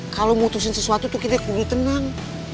kalau mutusin sesuatu tuh kita lebih tenang